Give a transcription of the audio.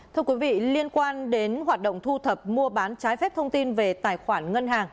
thưa quý vị liên quan đến hoạt động thu thập mua bán trái phép thông tin về tài khoản ngân hàng